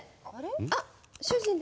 あっ主人ですか？